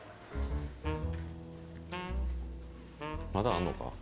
まだあんのか？